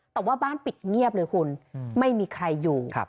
แต่ว่าบ้านปิดเงียบเลยคุณไม่มีใครอยู่